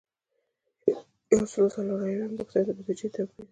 یو سل او څلور اویایمه پوښتنه د بودیجې توپیر دی.